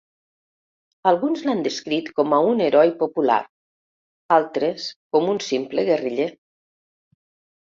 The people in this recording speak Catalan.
Alguns l'han descrit com a un heroi popular, altres com un simple guerriller.